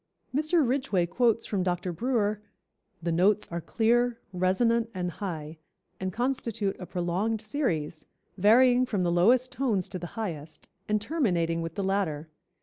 Mr. Ridgway quotes from Dr. Brewer: "The notes are clear, resonant and high, and constitute a prolonged series, varying from the lowest tones to the highest, and terminating with the latter.